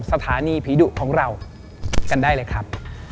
สถานีผีดุของเรากันได้เลยครับ